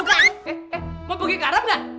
eh eh mau pergi ke arab gak